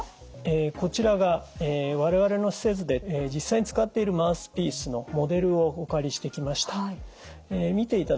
こちらが我々の施設で実際に使っているマウスピースのモデルをお借りしてきました。